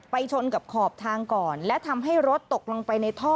ชนกับขอบทางก่อนและทำให้รถตกลงไปในท่อ